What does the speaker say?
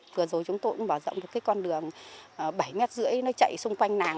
vừa rồi chúng tôi cũng bảo rộng được cái con đường bảy m ba mươi nó chạy xung quanh làng